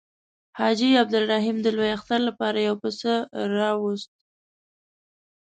حاجي عبدالرحیم د لوی اختر لپاره یو پسه راووست.